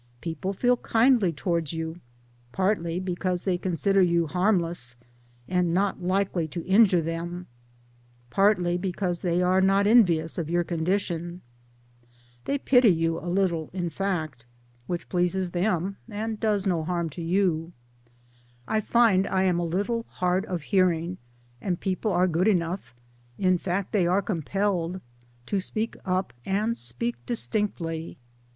People feel kindly towards you partly because they consider you harmless and not likely to injure them, partly because they are not envious of your condition. They pity you a little in fact 304 MY DAYS AND DREAMS which pleases them and does no harm to you. I find I am a little hard of hearing, and people are good enough in fact they are compelled to speak up and speak distinctly.